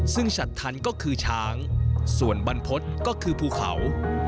ซึ่งฉัดทันก็คือช้างส่วนบรรพฤษก็คือภูเขา